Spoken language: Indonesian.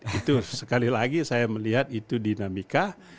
betul sekali lagi saya melihat itu dinamika